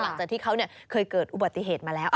หลังจากที่เขาเคยเกิดอุบัติเหตุมาแล้ว